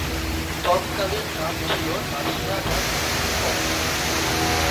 তৎকালীন নাম ছিল নাসিরাবাদ টাউন কমিটি।